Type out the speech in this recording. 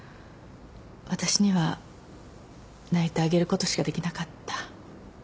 私には泣いてあげることしかできなかった。